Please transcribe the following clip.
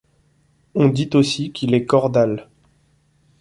On dit aussi qu'il est cordal.